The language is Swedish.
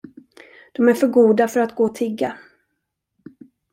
De är för goda för att gå och tigga.